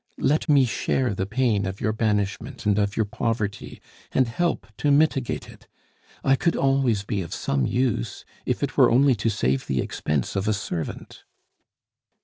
Let me share the pain of your banishment and of your poverty, and help to mitigate it. I could always be of some use, if it were only to save the expense of a servant."